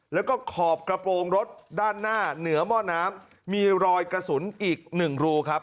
แล้วก็ขอบกระโปรงรถด้านหน้าเหนือหม้อน้ำมีรอยกระสุนอีกหนึ่งรูครับ